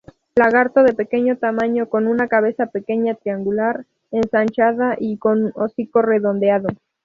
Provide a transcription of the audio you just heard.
Lagarto de pequeño tamaño, con una cabeza pequeña, triangular, ensanchada y con hocico redondeado.